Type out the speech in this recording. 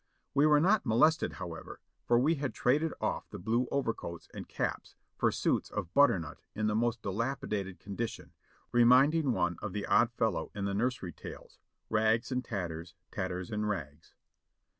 We were not molested, however, for we had traded off the blue overcoats and caps for suits of butternut in the most dilapidated condition, reminding one of the old fellow in the nursery tales: "Rags and tatters; tatters and rags."